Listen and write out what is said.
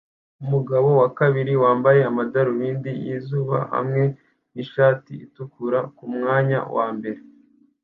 umugabo wa kabiri wambaye amadarubindi yizuba hamwe nishati itukura kumwanya wambere